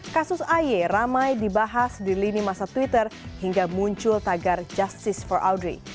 kasus aye ramai dibahas di lini masa twitter hingga muncul tagar justice for audrey